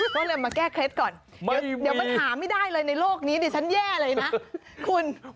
ก็เลยมาแก้เคล็ดก่อนเดี๋ยวมันหาไม่ได้เลยในโลกนี้ดิฉันแย่เลยนะคุณ